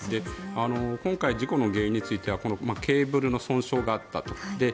今回、事故の原因についてはケーブルの損傷があったと。